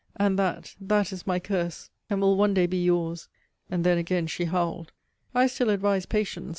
And that, that is my curse, and will one day be yours! And then again she howled. I still advised patience.